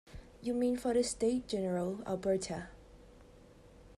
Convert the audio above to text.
You mean for this State, General, Alberta.